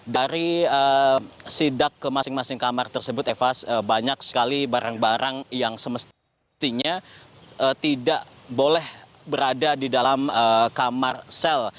dari sidak ke masing masing kamar tersebut eva banyak sekali barang barang yang semestinya tidak boleh berada di dalam kamar sel